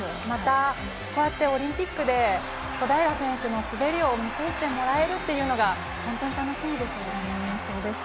またオリンピックで小平選手の滑りを見せてもらえるというのが本当に楽しみですね。